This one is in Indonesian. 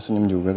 mas ini dia